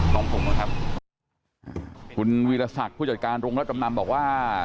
ของผมนะครับคุณวีรศักดิ์ผู้จัดการโรงรับจำนำบอกว่า